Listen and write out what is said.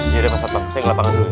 ya udah pak sato saya ke lapangan dulu